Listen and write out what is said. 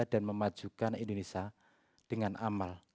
dan memajukan indonesia dengan amal